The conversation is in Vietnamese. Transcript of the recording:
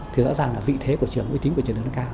thì rõ ràng là vị thế của trường uy tín của trường nó cao